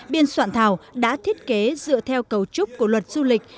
biên soạn thảo đã thiết kế dựa theo cấu trúc của luật du lịch